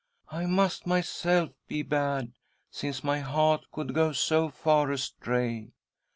I must myself be bad, since my heart could go so far astray.